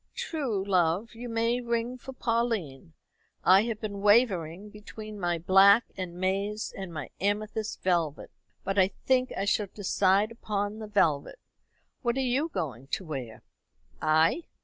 "True, love; you may ring for Pauline. I have been wavering between my black and maize and my amethyst velvet, but I think I shall decide upon the velvet. What are you going to wear?" "I?